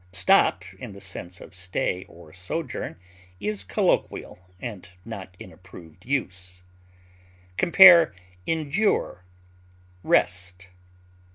Stop, in the sense of stay or sojourn, is colloquial, and not in approved use. Compare ENDURE; REST.